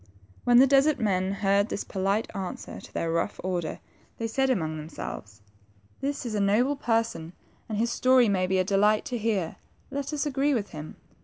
When the desert men heard this polite answer to their rough order, then they said among themselves, ^^This is a noble person, and his story may be a delight to hear; let us agree with him."